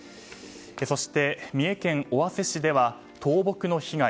そして三重県尾鷲市では倒木の被害。